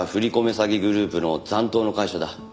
詐欺グループの残党の会社だ。